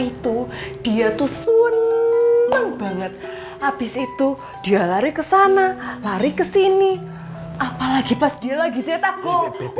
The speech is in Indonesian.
itu dia tuh seneng banget habis itu dia lari ke sana lari kesini apalagi pas dia lagi siataku